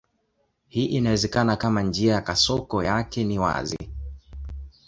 Hii inawezekana kama njia ya kasoko yake ni wazi.